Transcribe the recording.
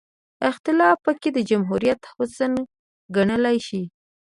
اختلاف پکې د جمهوریت حسن ګڼلی شي.